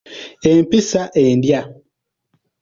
Empisi endya.